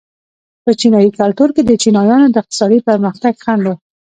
په چینايي کلتور کې د چینایانو د اقتصادي پرمختګ خنډ و.